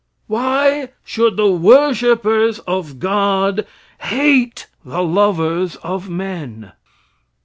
Why should the worshipers of God hate the lovers of men?